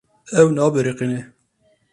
Ew nabiriqîne.